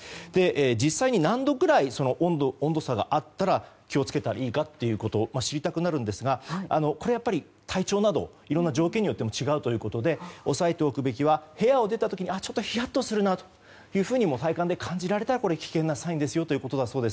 実際に何度くらい温度差があったら気を付けたらいいかということを知りたくなるんですがこれは、体調などいろんな条件によっても違うということで押さえておくべきは部屋を出た時にちょっとヒヤッとするなというふうに体感で感じられたら危険なサインということです。